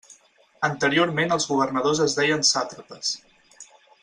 Anteriorment els governadors es deien sàtrapes.